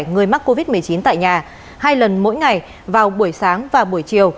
người mắc covid một mươi chín tại nhà hai lần mỗi ngày vào buổi sáng và buổi chiều